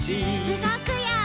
うごくよ！